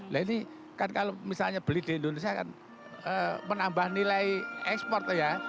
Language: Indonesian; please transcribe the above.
lainnya kan kalau misalnya beli di indonesia kan menambah nilai ekspor ya